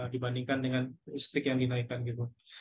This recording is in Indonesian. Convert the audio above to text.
dibandingkan dengan listrik yang dinaikkan gitu